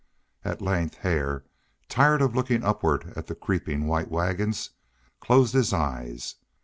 At length Hare, tired of looking upward at the creeping white wagons, closed his eyes.